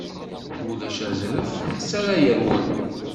Ulac azref s ara yerwel.